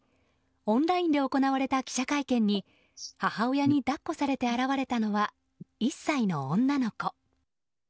オンラインで行われた記者会見に母親に抱っこされて現れたのは１歳の女の子。